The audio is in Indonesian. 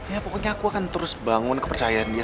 ya pokoknya aku akan terus bangun kepercayaan dia